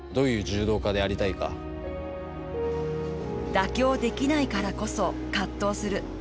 妥協できないからこそ、葛藤する。